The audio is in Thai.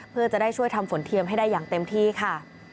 เพื่อจะได้ช่วยทำฝนเทียมให้ได้อย่างเต็มที่ค่ะ